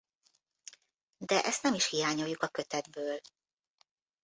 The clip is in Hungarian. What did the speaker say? De ezt nem is hiányoljuk a kötetből.